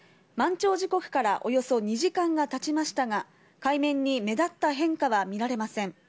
満潮時刻からおよそ２時間がたちましたが、海面に目立った変化は見られません。